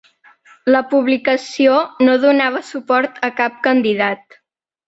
La publicació no donava suport a cap candidat.